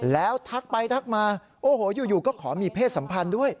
แล้วทักไปทักมาโอ้โหอยู่ก็ขอมีเพศสัมพันธ์ด้วย